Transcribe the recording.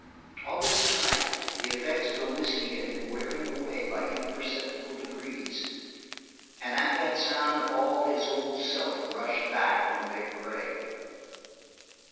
All this time the effects of the whisky had been wearing away by imperceptible degrees and at that sound all his old self rushed back on Vic Gregg.